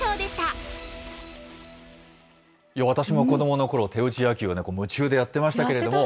私も子どものころ、手打ち野球は夢中でやってましたけれども。